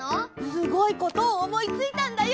すごいことをおもいついたんだよ！